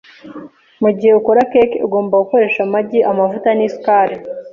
Mugihe ukora cake, ugomba gukoresha amagi, amavuta nisukari .